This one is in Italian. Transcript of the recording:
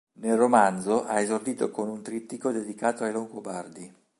Nel romanzo ha esordito con un trittico dedicato ai Longobardi.